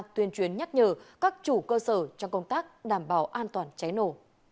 tuyên truyền nhắc nhờ các chủ cơ sở cho công tác đảm bảo an toàn cháy nổ